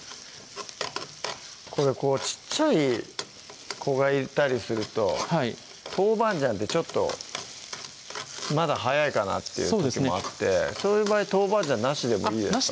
これ小っちゃい子がいたりすると豆板醤ってちょっとまだ早いかなっていう時もあってそういう場合豆板醤なしでもいいですか？